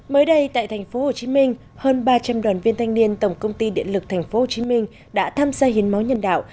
mới đây tại thành phố hồ chí minh hơn ba trăm linh đoàn viên thanh niên tổng công ty điện lực thành phố hồ chí minh đã tham gia hiến máu nhân đạo